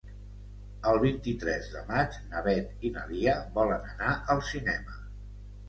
El vint-i-tres de maig na Beth i na Lia volen anar al cinema.